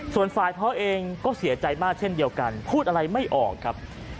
ส่วนฝ่ายพ่อเองก็เสียใจมากเช่นเดียวกันพูดอะไรไม่ออกครับ